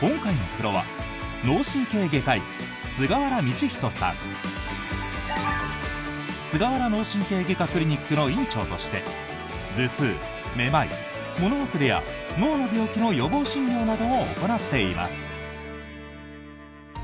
クリニックの院長として頭痛、めまい、物忘れや脳の病気の予防診療などを行っています。